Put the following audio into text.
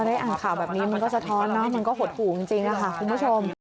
ใช่ค่ะก็ได้อ่านข่าวแบบนี้มันก็สะท้อนนะ